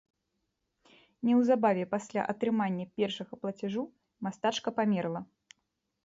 Неўзабаве пасля атрымання першага плацяжу мастачка памерла.